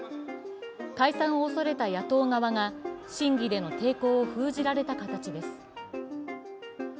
解散をおそれた野党側が審議での抵抗を封じられた形です。